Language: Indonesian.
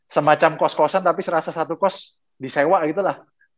sedangkan kita yang disini kita dapetnya sekamer bertiga